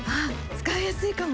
使いやすいかも。